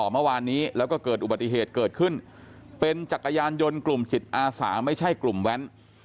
เมื่อวานนี้แล้วก็เกิดอุบัติเหตุเกิดขึ้นเป็นจักรยานยนต์กลุ่มจิตอาสาไม่ใช่กลุ่มแว้น